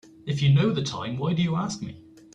If you know the time why do you ask me?